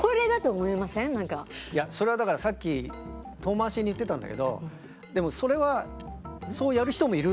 いやそれはだからさっき遠回しに言ってたんだけどでもそれはそうやる人もいるよね。